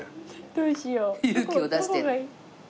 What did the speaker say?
どうしよう。